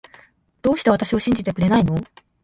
どうして私を信じてくれないの